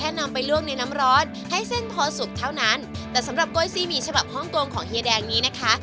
นำไปลวกในน้ำร้อนให้เส้นพอสุกเท่านั้นแต่สำหรับกล้วยซี่หมี่ฉบับฮ่องกงของเฮียแดงนี้นะคะ